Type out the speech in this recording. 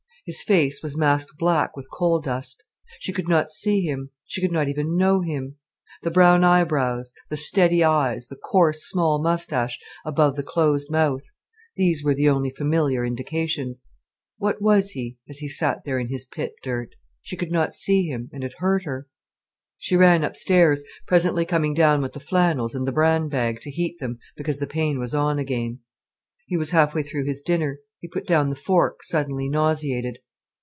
His face was masked black with coal dust. She could not see him, she could not even know him. The brown eyebrows, the steady eyes, the coarse, small moustache above the closed mouth—these were the only familiar indications. What was he, as he sat there in his pit dirt? She could not see him, and it hurt her. She ran upstairs, presently coming down with the flannels and the bran bag, to heat them, because the pain was on again. He was half way through his dinner. He put down the fork, suddenly nauseated.